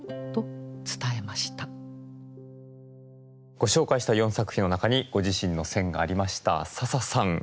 ご紹介した４作品の中にご自身の選がありました笹さん。